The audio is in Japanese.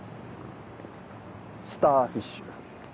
スターフィッシュ。